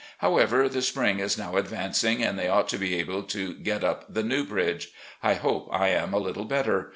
However, the spring is now advancing and they ought to be able to get up the new bridge. I hope I am a little better.